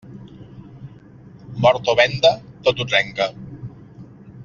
Mort o venda, tot ho trenca.